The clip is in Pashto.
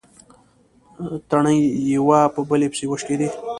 تڼۍ يوه په بلې پسې وشکېدې.